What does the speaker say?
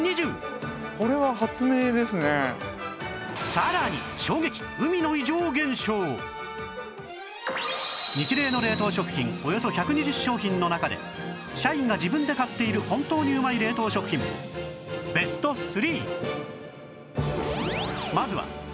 さらにニチレイの冷凍食品およそ１２０商品の中で社員が自分で買っている本当にうまい冷凍食品ベスト３